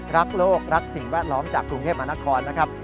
รักโลกรักสิ่งแวดล้อมจากกรุงเทพมหานครนะครับ